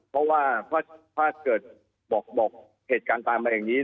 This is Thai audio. เพราะว่าถ้าเกิดบอกเหตุการณ์ตามมาอย่างนี้